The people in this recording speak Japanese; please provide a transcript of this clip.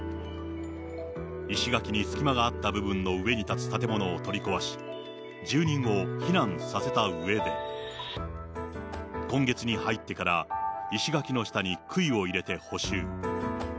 石垣に隙間があった部分の上に建つ建物を取り壊し、住人を避難させたうえで、今月に入ってから、石垣の下にくいを入れて補修。